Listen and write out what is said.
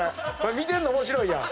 見てんの面白いやん。